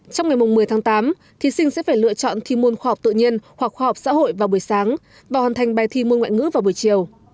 trong ngày một mươi tháng tám thí sinh sẽ phải lựa chọn thi môn khoa học tự nhiên hoặc khoa học xã hội vào buổi sáng và hoàn thành bài thi môn ngoại ngữ vào buổi chiều